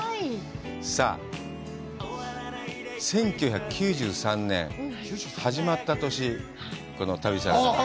さあ、１９９３年、始まった年、この「旅サラダ」が。